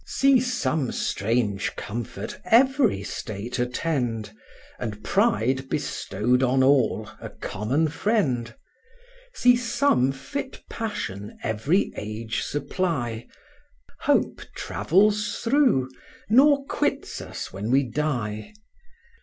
See some strange comfort every state attend, And pride bestowed on all, a common friend; See some fit passion every age supply, Hope travels through, nor quits us when we die.